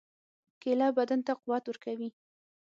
کېله بدن ته قوت ورکوي.